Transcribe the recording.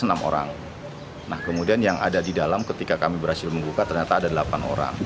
nah kemudian yang ada di dalam ketika kami berhasil membuka ternyata ada delapan orang